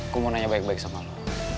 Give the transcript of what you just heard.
aku mau nanya baik baik sama lo